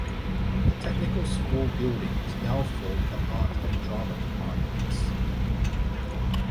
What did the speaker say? The Technical School buildings now form the Art and Drama departments.